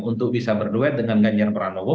untuk bisa berduet dengan ganjar pranowo